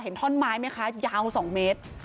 เห็นท่อนไม้ไหมคะยาวสองเมตร